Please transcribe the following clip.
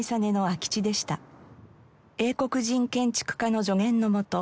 英国人建築家の助言のもと